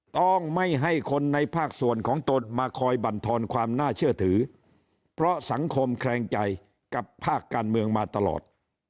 ต้องไม่ให้คนในภาคส่วนของตนมาคอยบรรทอนความน่าเชื่อถือเพราะสังคมแคลงใจกับภาคการเมืองมาตลอด